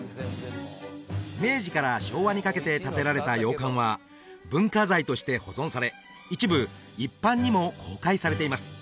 明治から昭和にかけて建てられた洋館は文化財として保存され一部一般にも公開されています